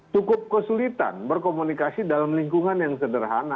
cukup kesulitan berkomunikasi dalam lingkungan yang sederhana